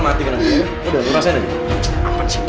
untung ada ada apa ya